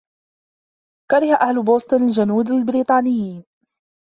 كره أهل بوسطن الجنود البريطانيين.